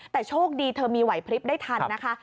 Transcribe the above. แต่โชคดีเธอมีไหวพลิบได้ทันนะคะ